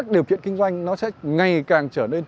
điều kiện kinh doanh nó sẽ ngày càng trở nên